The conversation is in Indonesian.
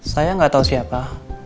saya gak tau siapa